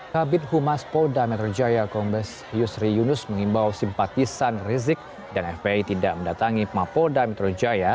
kabit humas polda metro jaya kombes yusri yunus mengimbau simpatisan rizik dan fpi tidak mendatangi mapolda metro jaya